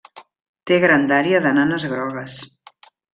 Té grandària de nanes grogues.